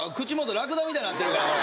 ラクダみたいになってるからおい